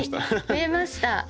ふえました！